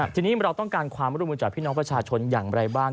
ทีนี้เราต้องการความร่วมมือจากพี่น้องประชาชนอย่างไรบ้าง